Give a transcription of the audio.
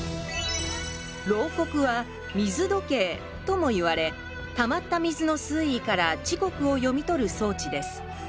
漏刻は水時計ともいわれたまった水の水位から時刻を読み取る装置です。